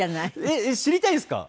えっ知りたいですか？